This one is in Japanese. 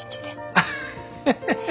アハハハハ。